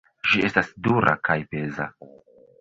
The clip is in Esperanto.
Ĝi estas dura kaj peza.